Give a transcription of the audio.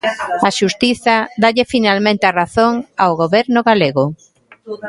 A xustiza dálle finalmente a razón ao Goberno galego.